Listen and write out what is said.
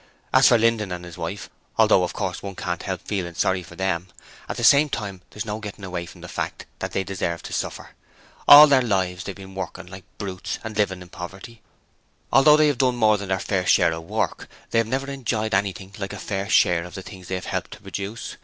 As for Linden and his wife, although of course one can't help feeling sorry for them, at the same time there's no getting away from the fact that they deserve to suffer. All their lives they've been working like brutes and living in poverty. Although they have done more than their fair share of the work, they have never enjoyed anything like a fair share of the things they have helped to produce.